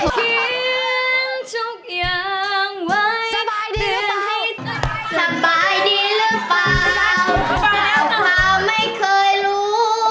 คิดทุกอย่างไว้สบายดีหรือเปล่าไม่เคยรู้